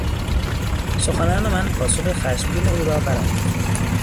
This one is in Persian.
سخنان من پاسخ خشمگین او را برانگیخت.